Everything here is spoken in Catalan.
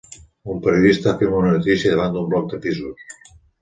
Un periodista filma una notícia davant d'un bloc de pisos.